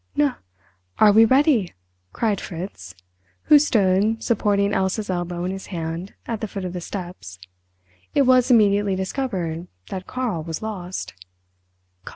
"Nu, are we ready?" cried Fritz, who stood, supporting Elsa's elbow in his hand, at the foot of the steps. It was immediately discovered that Karl was lost.